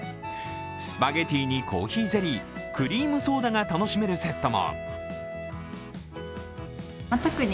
スパゲッティにコーヒーゼリー、クリームソーダが楽しめるセットも。